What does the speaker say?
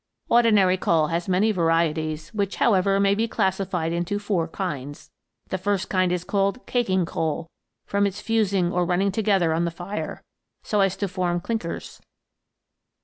" Ordinary coal has many varieties, which, how ever, may be classified into four kinds. The first kind is called caking coal, from its fusing or running together on the fire, so as to form clinkers.